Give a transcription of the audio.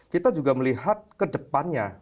kita juga melihat ke depannya